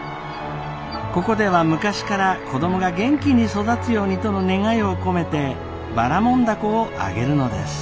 ここでは昔から子供が元気に育つようにとの願いを込めてばらもん凧をあげるのです。